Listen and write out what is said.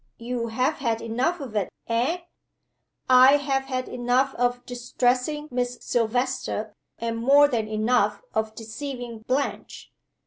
"You have had enough of it eh?" "I have had enough of distressing Miss Silvester, and more than enough of deceiving Blanche."